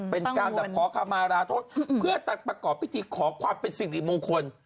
เป็นการขอขมาราทธุ์เพื่อตัดประกอบพิธีขอความเป็นสิ่งหลีมงคล